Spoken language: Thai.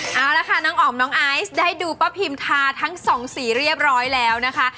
เอาละค่ะน้องอ๋อมน้องไอซ์ได้ดูป้าพิมทาทั้งสองสีเรียบร้อยแล้วนะคะ